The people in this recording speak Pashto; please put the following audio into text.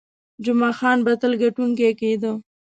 جمعه خان به تل ګټونکی کېده.